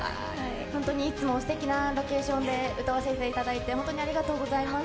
本当にいつもすてきなロケーションで歌わせていただいて、ありがとうございます。